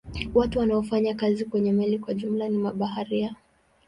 Watu wanaofanya kazi kwenye meli kwa jumla ni mabaharia.